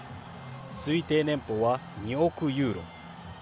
推定年俸は２億ユーロ。